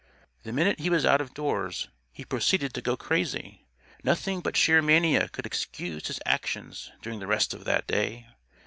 The minute he was out of doors, he proceeded to go crazy. Nothing but sheer mania could excuse his actions during the rest of that day.